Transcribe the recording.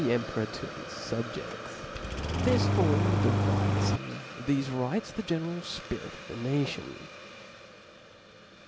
emperor to his fubjeds. This formed the rites, and thefe rices the general fpirit of the nation.